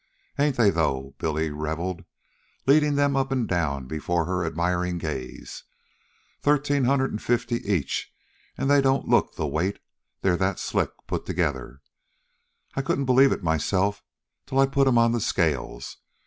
"Ain't they, though?" Billy reveled, leading them up and down before her admiring gaze. "Thirteen hundred an' fifty each, an' they don't look the weight, they're that slick put together. I couldn't believe it myself, till I put 'em on the scales.